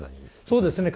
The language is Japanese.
そうですね。